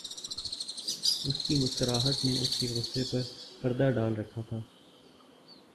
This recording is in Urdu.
اُس کی مسکراہٹ نے اُس کے غصےپر پردہ ڈال رکھا تھا